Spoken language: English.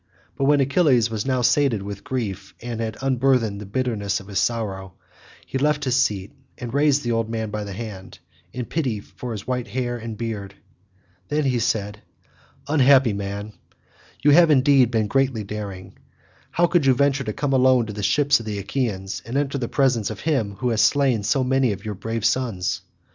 But when Achilles was now sated with grief and had unburthened the bitterness of his sorrow, he left his seat and raised the old man by the hand, in pity for his white hair and beard; then he said, "Unhappy man, you have indeed been greatly daring; how could you venture to come alone to the ships of the Achaeans, and enter the presence of him who has slain so many of your brave sons?